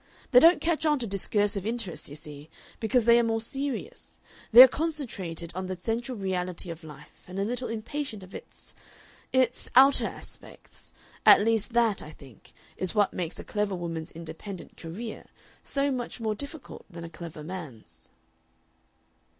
They don't catch on to discursive interests, you see, because they are more serious, they are concentrated on the central reality of life, and a little impatient of its its outer aspects. At least that, I think, is what makes a clever woman's independent career so much more difficult than a clever man's."